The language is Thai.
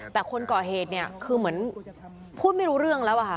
แต่คนก่อเหตุเนี่ยคือเหมือนพูดไม่รู้เรื่องแล้วอะค่ะ